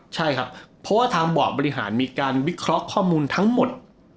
ใช่ครับเพราะว่าทางบอร์ดบริหารมีการวิเคราะห์ข้อมูลทั้งหมด